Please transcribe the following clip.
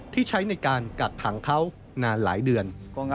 ที่ใช้ในการกักขังเขานานหลายเดือน